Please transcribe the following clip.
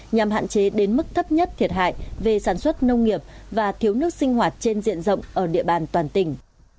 nhằm hạn chế đến mức thấp nhất thiệt hại về sản xuất nông nghiệp và thiếu nước sinh hoạt trên diện rộng ở địa bàn toàn tỉnh